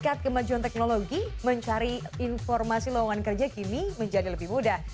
tingkat kemajuan teknologi mencari informasi lowongan kerja kini menjadi lebih mudah